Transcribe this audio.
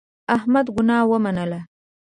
احمد ګناه ومنله.